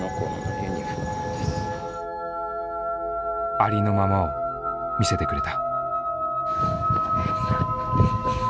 ありのままを見せてくれた。